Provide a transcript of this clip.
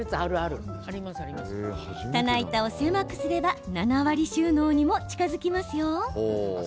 棚板を狭くすれば７割収納にも近づきますよ。